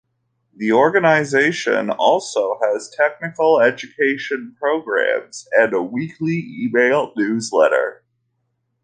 The organization also has technical education programs, and a weekly email newsletter.